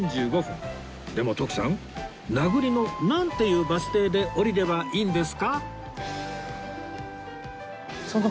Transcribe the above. でも徳さん名栗のなんていうバス停で降りればいいんですか？